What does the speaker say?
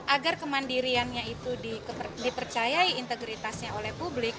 agar kemandiriannya itu dipercayai integritasnya oleh publik